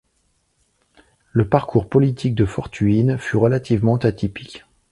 Le parcours politique de Fortuyn fut relativement atypique.